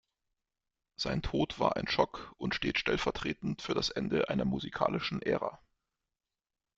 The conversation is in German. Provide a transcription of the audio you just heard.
Sein Tod war ein Schock und steht stellvertretend für das Ende einer musikalischen Ära.